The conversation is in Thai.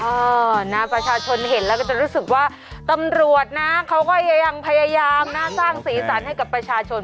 เออนะประชาชนเห็นแล้วก็จะรู้สึกว่าตำรวจนะเขาก็ยังพยายามนะสร้างสีสันให้กับประชาชน